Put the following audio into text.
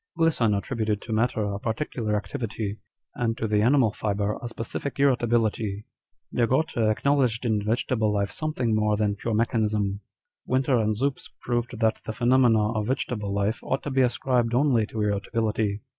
Glisson attributed to matter a particular activity, and to the animal fibre a specific irritability. De Gorter acknowledged in vegetable life something more than pure mechanism. Winter and Zups proved that the phenomena of vegetable life ought to be ascribed only to irritability.